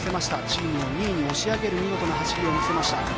チームを２位に押し上げる見事な走りを見せました。